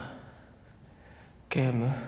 ゲーム？